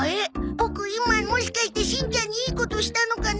ボク今もしかしてしんちゃんにいいことしたのかな？